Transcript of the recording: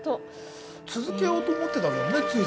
続けようと思ってたんだよねつい